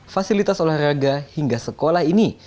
fasilitas olahraga hingga sekolah ini